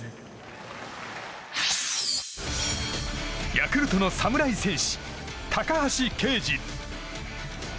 ヤクルトの侍戦士、高橋奎二。